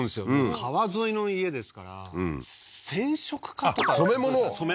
川沿いの家ですから染色家とかあっ染め物？